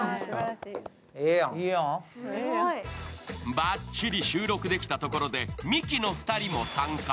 ばっちり収録できたところで、ミキの２人も参加。